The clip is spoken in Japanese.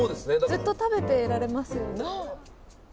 ずっと食べてられますよね。